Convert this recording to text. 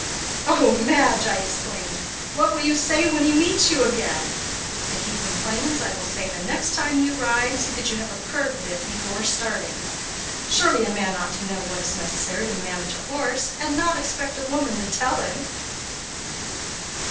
"Oh, Madge!" I exclaimed; "what will you say when he meets you again?" "If he complains, I will say 'the next time you ride see that you have a curb bit before starting.' Surely, a man ought to know what is necessary to manage a horse, and not expect a woman to tell him."